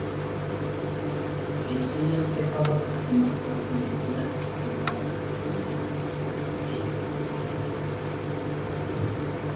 Eggye lya Ssekabaka Ssemakookiro bwe lyatta Ssekabaka Jjunju, enjole ye baaleka eyo.